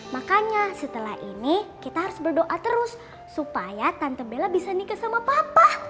makanya setelah ini kita harus berdoa terus supaya tante bela bisa nikah sama papa